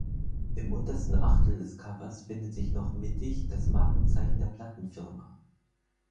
Im untersten Achtel des Covers findet sich noch mittig das Markenzeichen der Plattenfirma.